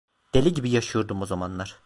Deli gibi yaşıyordum o zamanlar…